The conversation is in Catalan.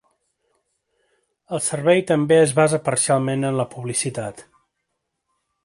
El servei també es basa parcialment en la publicitat.